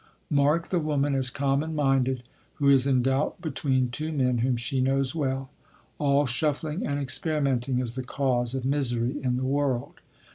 Mark the woman as common minded who is in doubt between two men whom she knows well. All shuffling and experimenting is the cause of misery in the world.